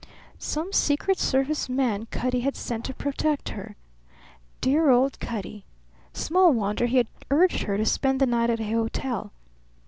Some secret service man Cutty had sent to protect her. Dear old Cutty! Small wonder he had urged her to spend the night at a hotel.